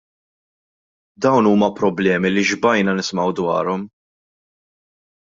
Dawn huma problemi li xbajna nisimgħu dwarhom.